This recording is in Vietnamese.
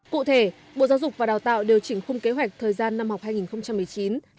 cụ thể bộ giáo dục và đào tạo điều chỉnh khung kế hoạch thời gian năm học hai nghìn một mươi chín hai nghìn hai mươi